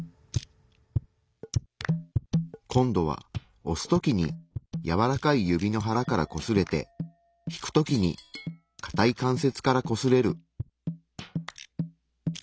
今度は押すときにやわらかい指の腹からこすれて引くときにかたい関節からこすれる。